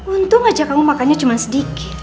untung aja kamu makannya cuma sedikit